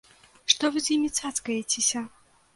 Што вы з імі цацкаецеся?